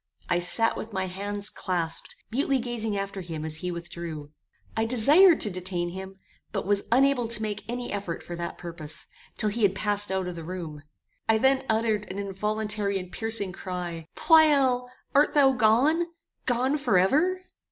I sat with my hands clasped, mutely gazing after him as he withdrew. I desired to detain him, but was unable to make any effort for that purpose, till he had passed out of the room. I then uttered an involuntary and piercing cry "Pleyel! Art thou gone? Gone forever?"